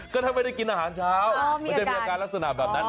ก็ถ้าไม่ได้กินอาหารเช้ามันจะมีอาการลักษณะแบบนั้น